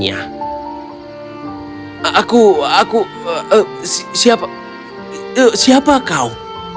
aku aku siapa kau